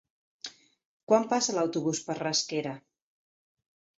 Quan passa l'autobús per Rasquera?